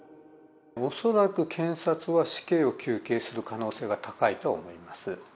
恐らく検察は死刑を求刑する可能性が高いと思います。